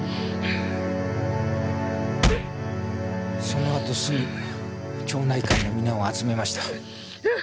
その後すぐ町内会の皆を集めました。